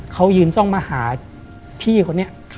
เขายืนซ่องมาหาพี่คนนี้